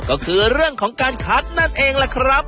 ก็คือเรื่องของการคัดนั่นเองแหละครับ